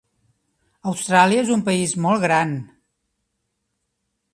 Austràlia és un país molt gran.